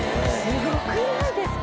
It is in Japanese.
すごくないですか？